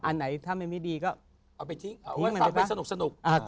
อันไหนถ้ามันไม่ดีก็เอาไปทิ้งเอาไว้เอาไปสนุก